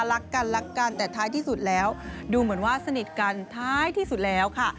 รักกันรักกันแต่ท้ายที่สุดแล้วดูเหมือนว่าสนิทกันท้ายที่สุดแล้วค่ะ